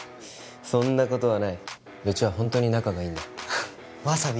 そんなことはないうちはホントに仲がいいんだわさび